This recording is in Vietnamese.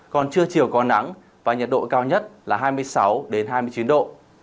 còn chưa chiều có nắng và nhiệt độ cao nhất là hai mươi sáu đến hai mươi chín độ